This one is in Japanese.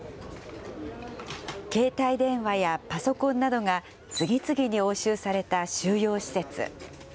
携帯電話やパソコンなどが次々に押収された収容施設。